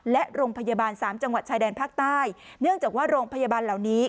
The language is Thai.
และโรงพยาบาลสามจังหวัดชายแดนภาคใต้เนื่องจากว่าโรงพยาบาลเหล่านี้